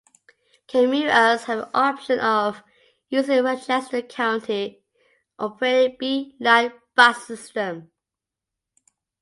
Commuters have the option of using the Westchester County-operated Bee-Line Bus System.